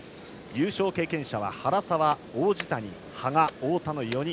優勝経験者は原沢、王子谷羽賀、太田の４人。